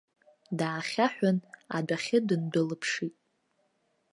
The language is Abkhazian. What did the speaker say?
Даахьаҳәын, адәахьы дындәылыԥшит.